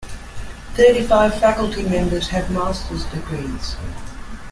Thirty-five faculty members have master's degrees.